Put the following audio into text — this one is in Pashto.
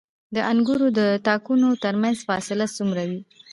د انګورو د تاکونو ترمنځ فاصله څومره وي؟